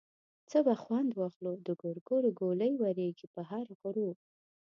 څه به خوند واخلو د ګورګورو ګولۍ ورېږي په هر غرو.